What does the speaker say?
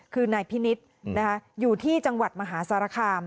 คือนายพินิษฐ์อยู่ที่จังหวัดมหาสารคาม